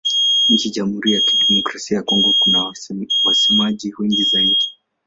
Nchini Jamhuri ya Kidemokrasia ya Kongo kuna wasemaji wengi zaidi.